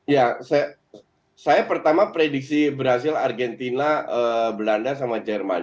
ya saya pertama prediksi brazil argentina belanda sama jerman